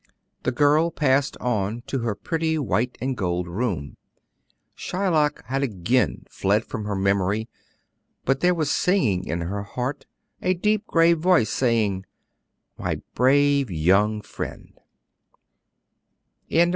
The girl passed on to her pretty white and gold room. Shylock had again fled from her memory, but there was singing in her heart a deep, grave voice saying, "My brave young friend!"